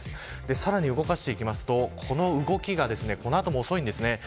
さらに動かしていくとこの動きがこの後も遅いんです。